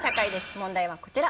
問題はこちら。